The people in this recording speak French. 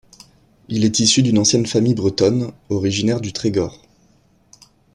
Il est issu d'une ancienne famille bretonne originaire du Trégor.